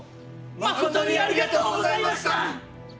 まことにありがとうございました！